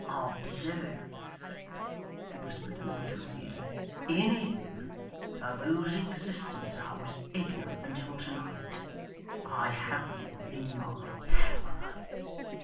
'Observe,' he whispered in the widow's ear: 'In him, of whose existence I was ignorant until to night, I have you in my power.